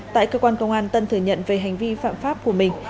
tại cơ quan công an tân thừa nhận về hành vi phạm pháp của mình